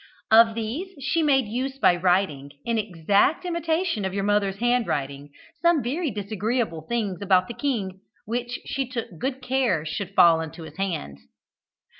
Of these she made use by writing, in exact imitation of your mother's handwriting, some very disagreeable things about the king, which she took good care should fall into his hands.